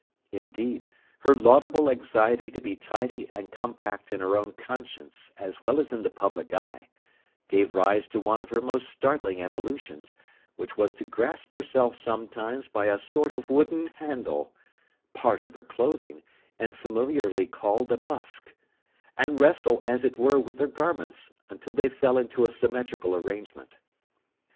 Indeed, her laudable anxiety to be tidy and compact in her own conscience as well as in the public eye, gave rise to one of her most startling evolutions, which was to grasp herself sometimes by a sort of wooden handle (part of her clothing, and familiarly called a busk), and wrestle as it were with her garments, until they fell into a symmetrical arrangement.